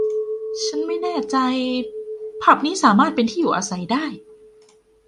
ฉันไม่แน่ใจผับนี้สามารถเป็นที่อยู่อาศัยได้